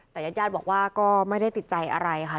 แต่ญาติญาติบอกว่าก็ไม่ได้ติดใจอะไรค่ะ